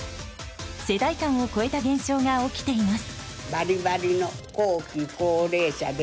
世代間を超えた現象が起きています。